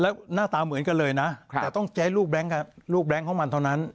แล้วหน้าตาเหมือนกันเลยนะแต่ต้องใช้รูปแบงค์ของมันเท่านั้น